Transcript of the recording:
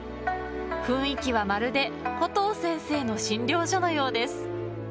雰囲気は、まるでコトー先生の診療所のようです。